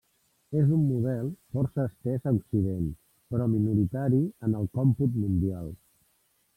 És un model força estès a Occident, però minoritari en el còmput mundial.